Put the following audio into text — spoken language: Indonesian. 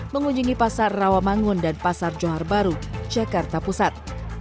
mengunjungi pasar rawamangun dan pasar johar baru jakarta pusat